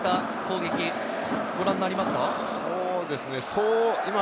こういった攻撃ご覧になれますか？